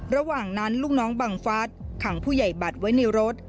ระหว่างนั้นลูกน้องบังฟัสขังผู้ใหญ่บัตรไว้ในรถ